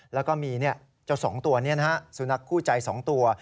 แล้วก็มีสุนัขคู่ใจ๒ตัว